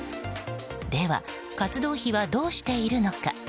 では、活動費はどうしているのか。